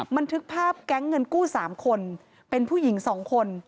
บันทึกภาพแก๊งเงินกู้๓คนเป็นผู้หญิง๒คน